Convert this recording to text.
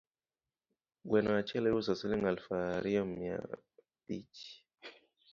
Gweno achiel iuso siling alufu ariyo mia bich